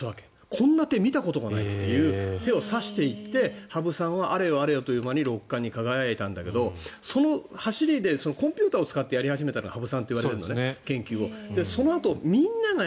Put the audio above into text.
こんな手を見たことがないという手を指していって羽生さんはあれよあれよという間に六冠に輝いたんだけどその走りでコンピューターでやり始めたのが羽生さんと言われていて、研究を。